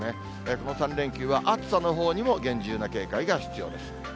この３連休は、暑さのほうにも厳重な警戒が必要です。